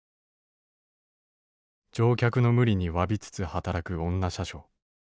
「乗客の無理にわびつつ働く女車掌。